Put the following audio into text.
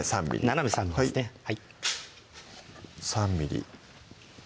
斜め３ｍｍですね３ｍｍ